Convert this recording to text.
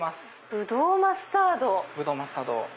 ぶどうマスタード。